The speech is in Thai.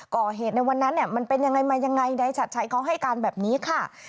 ก่อเหตุในวันนั้นมันเป็นยังไงในชัดใช้เขาให้การแบบนี้ค่ะ